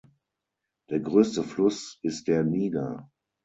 Der größte Fluss ist der Niger.